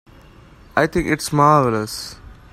I think it's marvelous.